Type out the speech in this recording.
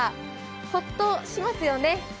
ホッとしますよね。